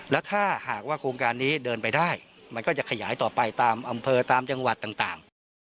แล้วถ้าหากว่าโครงการนี้เดินไปได้มันก็จะขยายต่อไปตามอำเภอตามจังหวัดต่าง